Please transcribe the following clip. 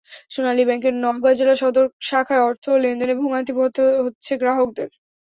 সোনালী ব্যাংকের নওগাঁ জেলা সদর শাখায় অর্থ লেনদেনে ভোগান্তি পোহাতে হচ্ছে গ্রাহকদের।